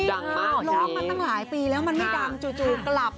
ร้องมาตั้งหลายปีแล้วมันไม่ดังจู่กลับ